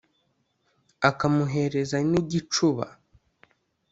akamuhereza n ígicúba